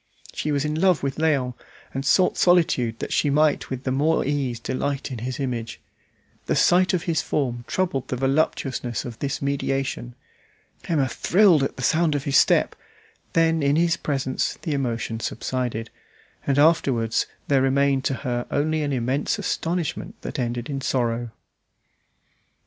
She was in love with Léon, and sought solitude that she might with the more ease delight in his image. The sight of his form troubled the voluptuousness of this mediation. Emma thrilled at the sound of his step; then in his presence the emotion subsided, and afterwards there remained to her only an immense astonishment that ended in sorrow.